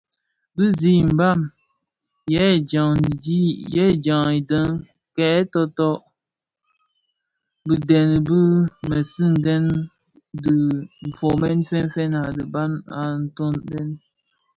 Bi zi i mbam yè dyaň yidëň, kè totök dhibeň di mësiňdèn di fonnë fèn fèn a dhiba a nōōtèn.